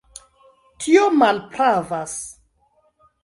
Tio malpravas.